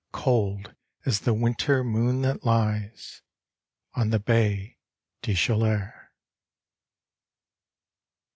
Odd as the winter moon that lies On the Baie des Chaleurs.